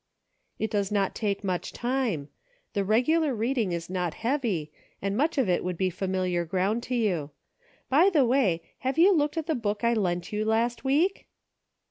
" It does not take much time ; the regular read ing is not heavy, and much of it would be familiar ground to you. By the way, have you looked at the book I lent you last week